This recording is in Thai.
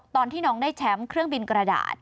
ตอนที่น้องได้แชมป์เครื่องบินกระดาษ